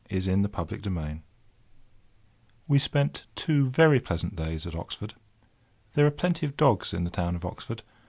[Picture: Dog running] We spent two very pleasant days at Oxford. There are plenty of dogs in the town of Oxford.